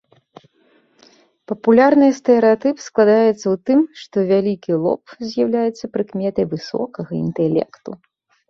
Папулярны стэрэатып складаецца ў тым, што вялікі лоб з'яўляецца прыкметай высокага інтэлекту.